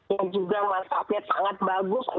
yang juga manfaatnya sangat bagus